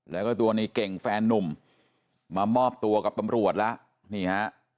แล้วก็ตัวในเก่งแฟนนุ่มมามอบตัวกับตำรวจแล้วนี่ฮะ